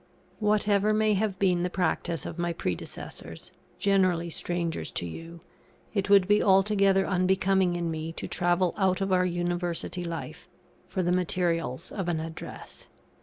Whatever may have been the practice of my predecessors, generally strangers to you, it would be altogether unbecoming in me to travel out of our University life, for the materials of an Address.